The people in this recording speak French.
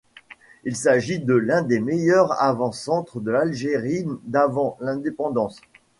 Il s'agit de l'un des meilleurs avant-centres de l'Algérie d'avant l'indépendance.